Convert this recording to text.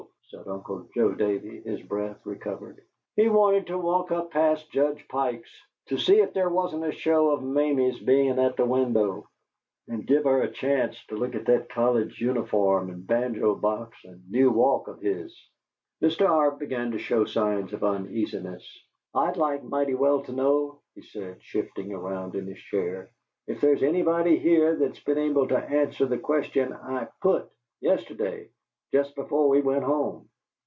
said Uncle Joe Davey, his breath recovered. "He wanted to walk up past Judge Pike's, to see if there wasn't a show of Mamie's bein' at the window, and give her a chance to look at that college uniform and banjo box and new walk of his." Mr. Arp began to show signs of uneasiness. "I'd like mighty well to know," he said, shifting round in his chair, "if there's anybody here that's been able to answer the question I PUT, yesterday, just before we went home.